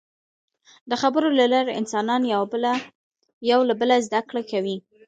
د خبرو له لارې انسانان یو له بله زدهکړه کوي.